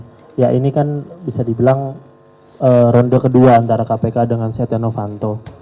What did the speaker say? ya ini kan bisa dibilang ronde kedua antara kpk dengan setia novanto